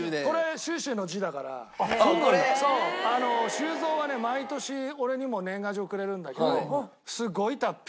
修造はね毎年俺にも年賀状くれるんだけどすごい達筆。